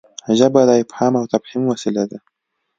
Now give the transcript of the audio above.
ژبه د افهام او تفهيم وسیله ده.